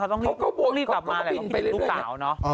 เขาต้องรีบกลับมาแต่ต้องคิดถึงลูกเก่าเนอะ